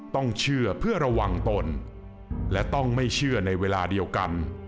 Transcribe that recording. ต้องเชื่อเพื่อระวังตนและต้องไม่เชื่อในเวลาเดียวกัน